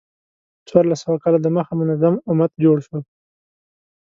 څوارلس سوه کاله د مخه منظم امت جوړ شو.